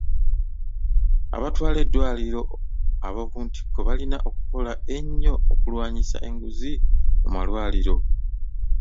Abatwala eddwaliro ab'okuntikko balina okukola ennyo okulwanyisa enguzi mu malwaliro.